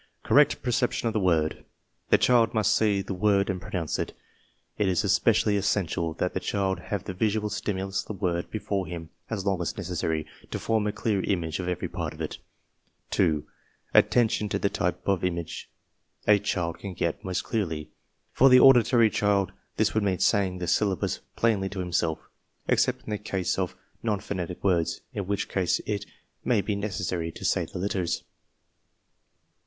Correct 'perception of the word. The child must see the word and pronounce it. It is especially essential that the child have the visual stimulus of the word be fore him as long as necessary to form a clear image of every part of it. 2. Attention to the type of image a child can get most clearly. For the auditory child, this would mean saying the syllables plainly to himself, except in the case of non phonetic words, in which case it may be necessary to say the letters.